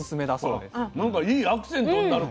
なんかいいアクセントになるかも。